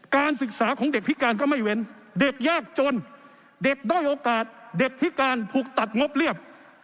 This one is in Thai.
การศึกษาของเด็กพิการก็ไม่เว้นเด็กยากจนเด็กด้อยโอกาสเด็กพิการถูกตัดงบเรียบ